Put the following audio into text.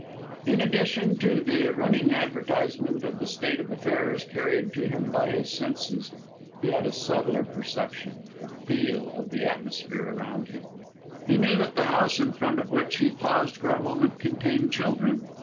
In addition to the running advertisement of the state of affairs carried to him by his senses, he had a subtler perception, a FEEL, of the atmosphere around him. He knew that the house in front of which he paused for a moment, contained children.